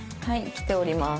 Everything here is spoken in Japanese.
来ております。